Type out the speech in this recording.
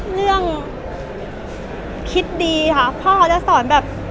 เรื่องคิดดีค่ะพ่อจะสอนแบบ